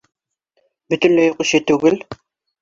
Бөтөнләй юҡ ише түгел.